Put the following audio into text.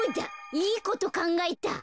いいことかんがえた。